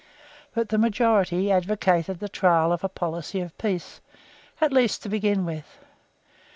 But the majority advocated the trial of a policy of peace, at least to begin with.